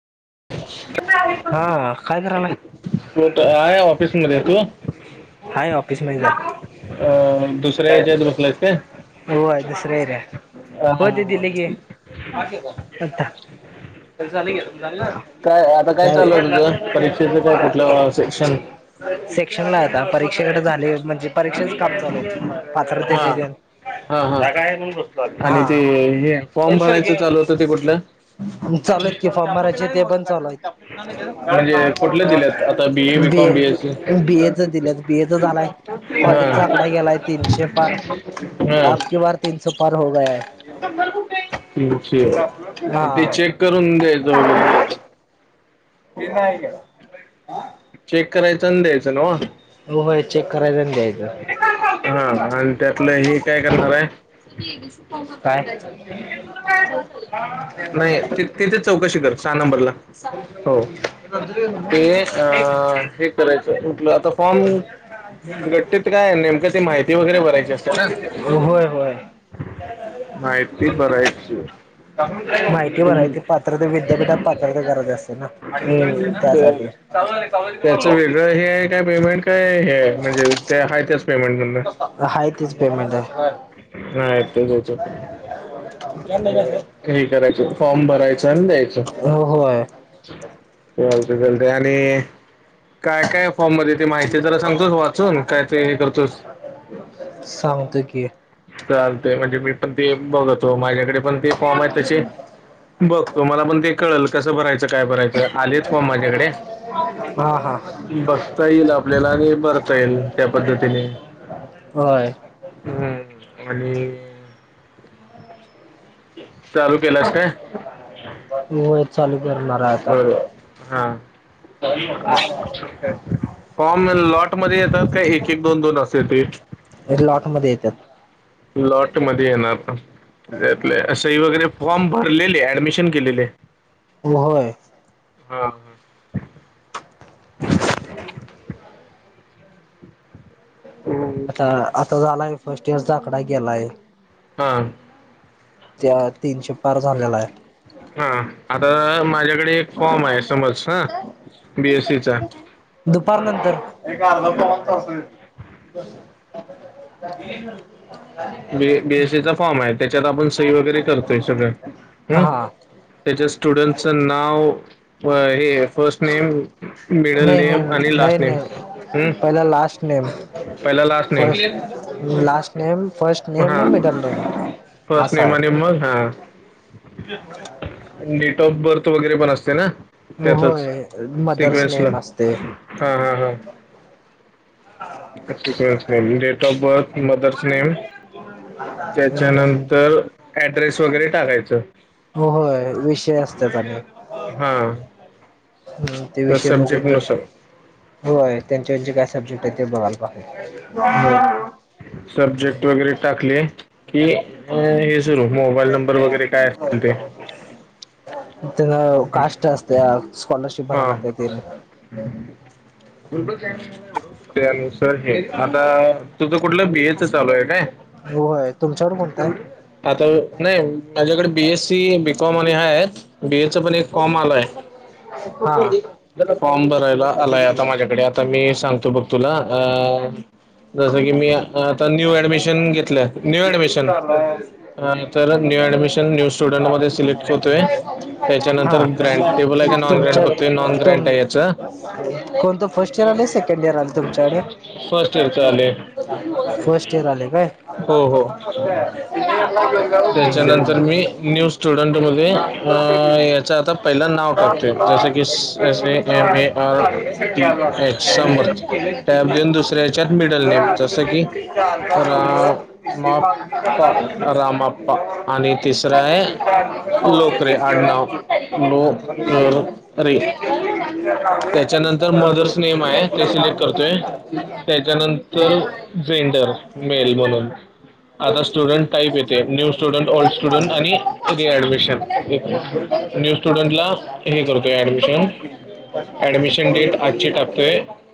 मी हा काय करायलाय इथं आहे ऑफिस मध्ये. तू? आहे ऑफिस मध्येच आहे. अं, दुसऱ्या याच्यात बसलायस हो आज दुसरा एरिया. ह ह हा हा. पाड कि आता, त्याचे झाले की. काय आता काय चालू आहे तुझं परीक्षेचं काय कुठलं सेक्शन [unintelligible] सेक्शन नाही आता, परीक्षेकडे झाले. म्हणजे परीक्षेच काम चालू आहे. हा पात्रतेची न तेन. हा हा जागा आहे म्हणून बसलो आता. आणि हा. ते हे [unintelligible] फॉर्म भरायचं चालू होतं ते कुठलं चालू आहेत की, फॉर्म भरायचे ते पण चालू आहेत. म्हणजे कुठलं दिल्यात आता B. Com A., S C B. A. च दिल्यात, बी. ए. च झालाय. हां कॉलेजचा आकडा गेलाय तीनशे पार, हां आपकी बार तीनशो पार हो गया है. चप्पल कुठ आहे? तीनशे, अन ते चेक करून द्यायचं वगैरे इथं आहे काय? चेक करायच आणि द्यायचं नव्हं? हो होय, चेक करायचं आणि द्यायचं. हा आणि त्यातलं हे काय करणार आहे? [unintelligible] ए काय? तुझं काय ग? नाही ते- तिथेच चौकशी कर सहा नंबरला. सहा? हो ते हे करायचं कुठलं, आता फॉर्म घटलेत काय नेमकं ती माहिती वगैरे, भरायची असते ना? होय होय. माहिती भरायची. माहिती भरायची. ते पात्रते विद्यापीठात पात्रता गरज असते ना, हम्म तर त्यासाठी. चालू झालंय, चालू त्याचं वेगळं हे आहे काय पेमेंट? काय हे हाय? म्हणजे का हाय त्याचं पेमेंट मधन? हाय तीच पेमेंट आहे. नाय [unintelligible] हे, हे करायचं, फॉर्म भरायचा आणि द्यायचं. होय चालतंय, चालतंय आणि काय काय फॉर्म मध्ये ते माहिती आहे जरा सांगतोस वाचून? काय ते हे करतोस? सांगतो की? चालतंय, म्हणजे मी पण ते बघतो. माझ्याकडे पण ते फॉर्म आहे तसे. बघ. तुम्हाला पण ते कळलं, कसं भरायचं काय भरायचं. आलेत फॉर्म माझ्याकडे. [unintelligible] बसता येईल आपल्याला, आणि भरता येईल त्या पद्धतीने. होय हम् आणि चालू केलास काय? व्हय चालू करणार हाय आता हां [unintelligible] फॉर्म लॉटमध्ये येतात काय एक -एक दोन -दोन असत्या ते लॉटमध्ये येत्यात लॉटमध्ये येणार लं [inaudible] सही वगैरे फॉर्म भरलेले ऍडमिशन केलेले. हो, होय हां [unintelligible] आता -आता झालाय फर्स्ट इयरचा आकडा गेलाय हा त्या तीनशे पार झालेला हाय हा, आता माझ्याकडे एक फॉर्म हाय समज हा, बी एस सी चा दुपार नंत, र एक अर्धा पाऊण तास बी, बी एस सी चा फॉर्म हाय त्याच्यात आपण सही वगैरे करतोय सगळं हं हा त्याच्या स्टुडंटचं नाव, अ हे फर्स्ट नेम मिडल नाही नाही नेम आणि नाही लास्ट नेम नाही हम् पहिला लास्ट नेम पहिला last name first last name, first name, हा म मिडल नेम फर्स्ट नेम असाय आणि मग हा [unintelligible] डेट ऑफ बर्थ वगैरे पण असतयं ना? त्यातच होय मदर्स सिगवेसला नेम असते हा, हा, हा first name, date of birth mother's name, त्याच्यानंतर ऍड्रेस वगैरे टाकायचं. हो होय विषय असत्यात आणि हा [inaudible] हम्म ते तर विषय सब्जेक्ट बघूनच नुसार होय त्यांचे-त्यांचे काय सब्जेक्ट आहे ते बघायला पाहि [inaudible] सब्जेक्ट वगैरे टाकले, की [unintelligible] हे झिरो, मोबाईल नंबर वगैरे काय असतील ते त्ये नव्ह कास्ट असत्यात, स्कॉलरशिप हा भराव लागते त्येनी [unintelligible] त्यानुसार हे, आता तुझं कुठलं बि एच चालू हाय काय? तुमच्याकड कोणता हाय? आता नाही, माझ्याकडे B S C, B com आणि हा आहे बी ए च पण एक फोम आलाय. हा फॉम भरायला आलाय आता माझ्याकडे, आता मी सांगतो बघ तुला अ जसं की मी आता, न्यू ऍडमिशन घेतलं, न्यू ऍडमिशन त्यानंतर न्यू ऍडमिशन न्यू आठवी स्टुडंट मध्ये बारावी सिलेक्ट झाल्या होतंय त्याच्यानंतर ग्रांनटेबल हाय का हा नॉन ग्रांट तुमच्या बघतो, ग्रान्ट तुम आहे याचं कोणतं फर्स्ट इयर आलंय, सेकंड इयर आलय तुमच्याकडं? फर्स्ट इयरच आले फर्स्ट इयर आलय काय? हो हो, त्याच्यानंतर मी न्यू स्टुडंट मध्ये अ अ याचं आता पहिलं नाव टाकतोय, जसं की S A M A R T H some tap then दुसरे त्यात मिडल नेम जसं की, राम आ रामा आणि तिसरं आहे लोकरे. आडनाव लो क रे त्याच्यानंतर ऍडमिशन मदर्स नेम आहे ते सिलेक्ट करतोय, त्याच्यानं- आणि परत जेंडर मेल म्हणून. आता स्टुडंट टाईप येते न्यू स्टुडंट, ओल्ड स्टुडंट आणि रिएडमिशन. न्यू स्टुडंटला हे करतोय ऍडमिशन. ऍडमिशन डेट आजची टाकतोय.